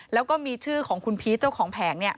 แล้วก็มีชื่อของคุณพีชเจ้าของแผงเนี่ย